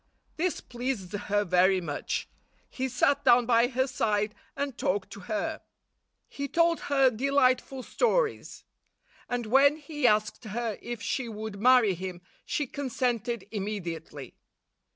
This pleased her very much. He sat down by her side and talked to her. He told her delightful stories; 192 and when he asked her if she would marry him, she consented immediately.